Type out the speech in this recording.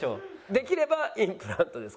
できればインプラントですから。